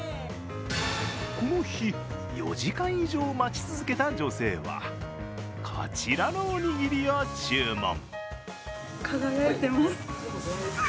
この日、４時間以上待ち続けた女性はこちらのおにぎりを注文。